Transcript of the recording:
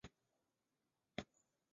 利松站位于利松市区的南部。